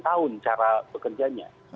tahun cara bekerjanya